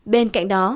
bên cạnh đó